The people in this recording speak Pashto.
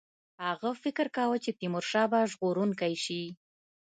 هغه فکر کاوه چې تیمورشاه به ژغورونکی شي.